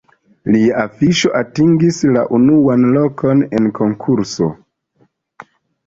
Lia afiŝo atingis la unuan lokon en konkurso.